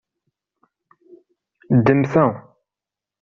Ddem ta.